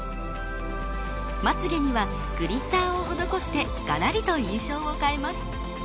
まつげにはグリッターを施してガラリと印象を変えます。